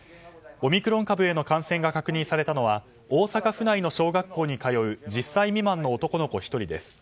オミクロン株への感染が確認されたのは大阪府内の小学校に通う１０歳未満の男の子１人です。